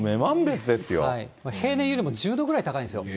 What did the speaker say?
平年よりも１０度ぐらい高いんですよ。